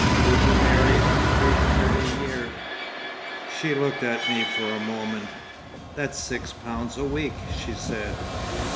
"Would you marry on three hundred a year?" She looked at me for a moment. "That's six pounds a week," she said.